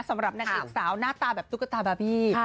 สำหรับยักษ์สาวหน้าตาแบบตุ๊กตาบับปี้